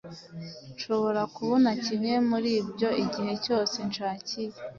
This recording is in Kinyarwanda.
Nshobora kubona kimwe muri ibyo igihe cyose nshakiye.